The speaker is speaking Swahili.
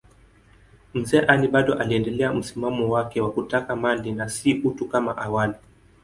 Mzee Ali bado aliendelea msimamo wake wa kutaka mali na si utu kama awali.